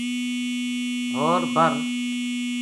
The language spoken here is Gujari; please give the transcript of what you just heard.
ہور بر